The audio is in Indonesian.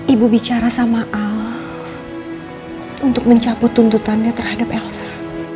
ibu bicara sama al untuk mencabut tuntutannya terhadap elsa